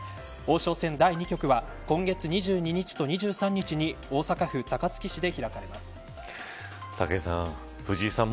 王将戦第２局は今月２２日と２３日に大阪府高槻市で開かれます。